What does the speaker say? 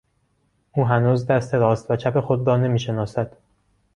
او هنوز دست راست و چپ خود را نمیشناسد.